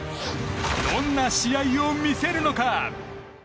どんな試合を見せるのか。